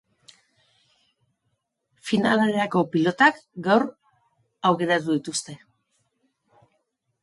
Finalerako pilotak gaur aukeratu dituzte.